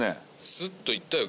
スッといったよ